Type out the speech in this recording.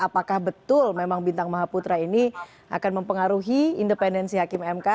apakah betul memang bintang maha putra ini akan mempengaruhi independensi hakim mk